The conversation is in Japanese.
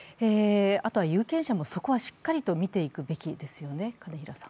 有権者もそこはしっかりと見ていくべきですよね。